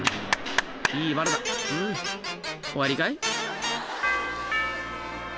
［終わりかい？］